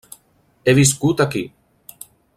He viscut aquí.